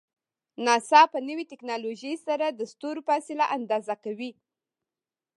ناسا په نوی ټکنالوژۍ سره د ستورو فاصله اندازه کوي.